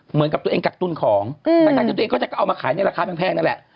เหมือนกับตัวเองกักตุ้นของทั้งที่ตัวเองก็จะเอามาขายในราคาแพงนั่นแหละ